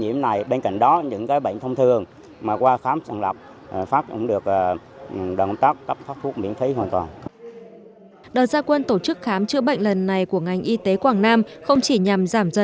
hãy đăng ký kênh để nhận thông tin nhất